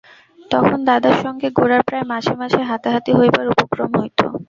তখন দাদার সঙ্গে গোরার প্রায় মাঝে মাঝে হাতাহাতি হইবার উপক্রম হইত।